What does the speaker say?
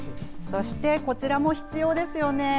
そして、こちらも必要ですよね。